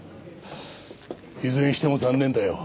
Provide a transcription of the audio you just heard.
いずれにしても残念だよ。